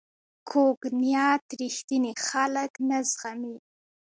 کوږ نیت رښتیني خلک نه زغمي